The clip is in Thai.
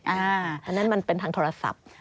อันนั้นมันเป็นทางโทรศัพท์